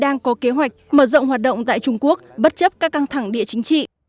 đang có kế hoạch mở rộng hoạt động tại trung quốc bất chấp các căng thẳng địa chính trị